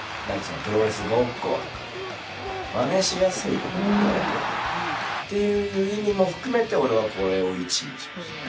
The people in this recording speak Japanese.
意外に。っていう意味も含めて俺はこれを１位にしましたね。